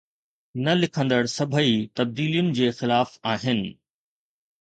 نه لکندڙ سڀئي تبديلين جي خلاف آهن